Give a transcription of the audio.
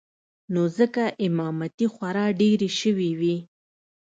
نو ځکه امامتې خورا ډېرې سوې وې.